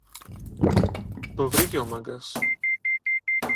Το βρήκε ο Μάγκας!